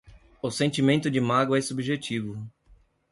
O sentimento de mágoa é subjetivo